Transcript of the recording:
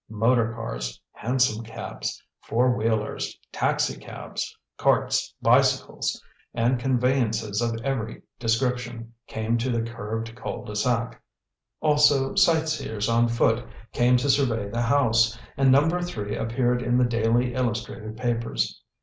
Motor cars, hansom cabs, four wheelers, taxicabs, carts, bicycles, and conveyances of every description, came to the curved cul de sac. Also, sight seers on foot came to survey the house, and Number III appeared in the daily illustrated papers.